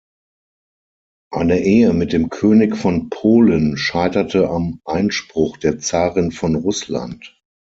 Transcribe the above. Eine Ehe mit dem König von Polen scheiterte am Einspruch der Zarin von Russland.